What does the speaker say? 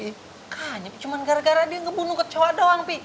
kayaknya cuma gara gara dia ngebunuh kecewa doang pih